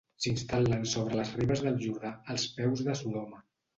S'instal·len sobre les ribes del Jordà, als peus de Sodoma.